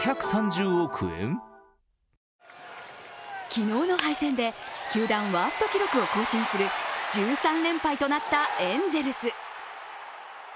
昨日の敗戦で球団ワースト記録を更新する１３連敗となったエンゼルス。